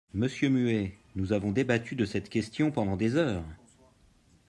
Monsieur Muet, nous avons débattu de cette question pendant des heures.